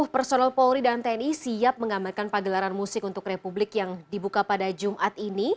delapan ratus tujuh puluh personal polri dan tni siap mengambilkan pagelaran musik untuk republik yang dibuka pada jumat ini